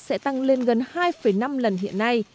sẽ tăng lên gần hai năm lần hiện nay